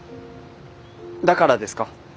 だからですか？